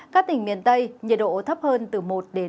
các tỉnh miền tây nhiệt độ thấp hơn từ một hai độ